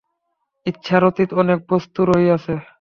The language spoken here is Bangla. ইচ্ছার অতীত অনেক বস্তু রহিয়াছে।